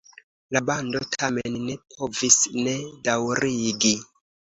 La bando tamen ne povis ne daŭrigi.